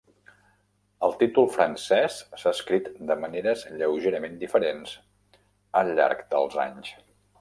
El títol francès s'ha escrit de maneres lleugerament diferents al llarg dels anys.